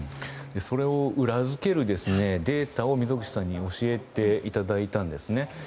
それを裏付けるデータを溝口さんに教えていただいたんですね。